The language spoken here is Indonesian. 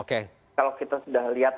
kalau kita sudah lihat